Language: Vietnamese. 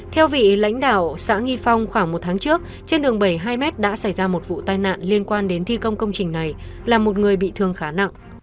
theo vị lãnh đạo xã nghi phong khoảng một tháng trước trên đường bảy mươi hai m đã xảy ra một vụ tai nạn liên quan đến thi công công trình này là một người bị thương khá nặng